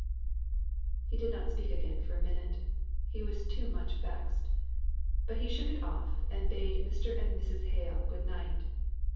He did not speak again for a minute, he was too much vexed. But he shook it off, and bade Mr. and Mrs. Hale good night.